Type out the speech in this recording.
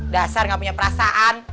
dasar gak punya perasaan